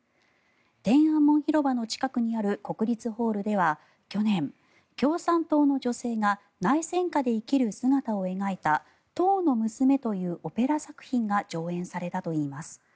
天安門広場の近くにある国立ホールでは去年、共産党の女性が内戦下で生きる姿を描いた「党の娘」というオペラ作品が上演されたといいます。